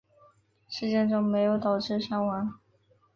事件中没有导致伤亡。